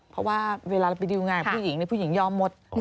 เพราะว่าเวลาเราไปดิวงานผู้หญิงผู้หญิงยอมหมด